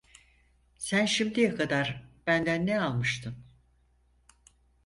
Sen şimdiye kadar benden ne almıştın?